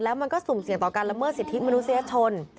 แล้วมันก็สุ่มเสี่ยงต่อการละเมิดสิทธิมนุษยชน